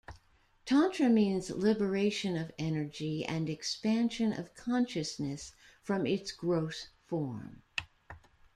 Tantra means liberation of energy and expansion of consciousness from its gross form.